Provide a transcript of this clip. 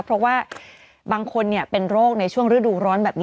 เพราะว่าบางคนเป็นโรคในช่วงฤดูร้อนแบบนี้